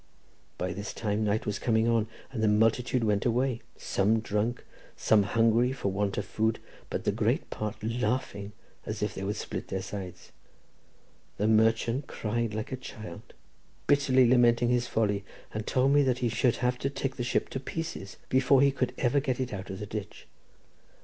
By this time night was coming on, and the multitude went away, some drunk, some hungry for want of food, but the greater part laughing as if they would split their sides. The merchant cried like a child, bitterly lamenting his folly, and told me that he should have to take the ship to pieces before he could ever get it out of the ditch.